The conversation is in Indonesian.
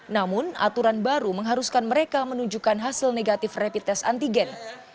namun aturan baru mengharuskan mereka menunjukkan hasil negatif rapid test antigen